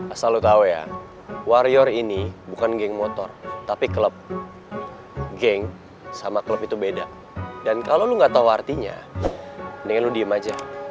asal lo tau ya warrior ini bukan geng motor tapi klub geng sama klub itu beda dan kalau lo nggak tahu artinya ini lo diem aja